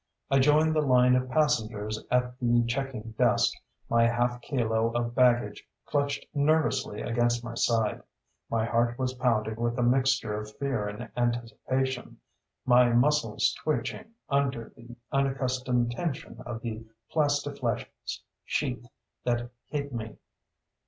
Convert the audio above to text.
I joined the line of passengers at the checking desk, my half kilo of baggage clutched nervously against my side. My heart was pounding with a mixture of fear and anticipation, my muscles twitching under the unaccustomed tension of the plastiflesh sheath that hid me.